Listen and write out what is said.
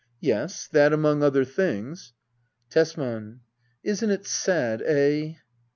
Yes, that among other things. Tesman. Isn't it sad — eh